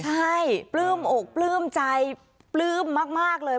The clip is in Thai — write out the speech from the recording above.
ใช่ปลื้มอกปลื้มใจปลื้มมากเลย